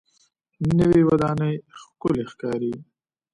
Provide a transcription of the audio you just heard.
نوې ودانۍ ښکلې ښکاري